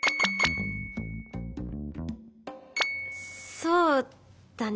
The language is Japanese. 「そうだね」。